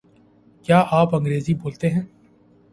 کیا آپ انگریزی بولتے ہیں؟